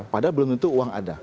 padahal belum tentu uang ada